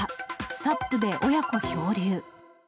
サップで親子漂流。